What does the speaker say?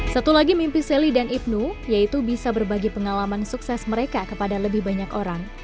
satu lagi mimpi sally dan ibnu yaitu bisa berbagi pengalaman sukses mereka kepada lebih banyak orang